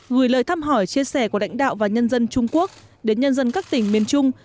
gửi lời thăm hỏi chia sẻ của lãnh đạo và nhân dân trung quốc đến nhân dân các tỉnh miền trung